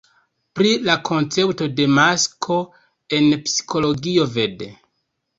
Pri la koncepto de "masko" en psikologio vd.